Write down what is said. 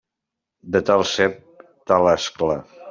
De tal cep, tal ascla.